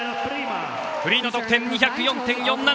フリーの得点２０４．４７。